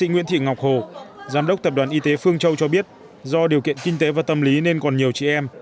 giám đốc tập đoàn y tế phương châu cho biết do điều kiện kinh tế và tâm lý nên còn nhiều chị em